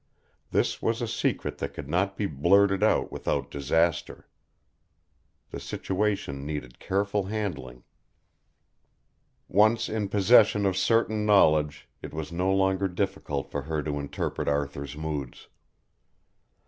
This was a secret that could not be blurted out without disaster. The situation needed careful handling. Once in possession of certain knowledge it was no longer difficult for her to interpret Arthur's moods.